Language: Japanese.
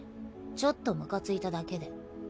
ちょっとムカついただけで。